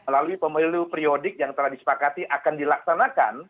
lalu pemilu periodik yang telah disepakati akan dilaksanakan